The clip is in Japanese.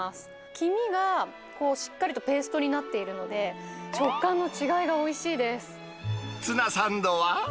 黄身がしっかりとペーストになっているので、ツナサンドは？